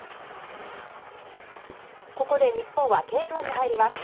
ここで日本は継投に入ります。